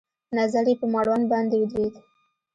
نظر يې په مړوند باندې ودرېد.